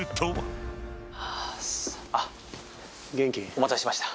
お待たせしました。